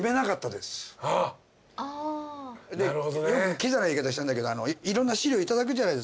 よくきざな言い方したんだけどいろんな資料頂くじゃないですか。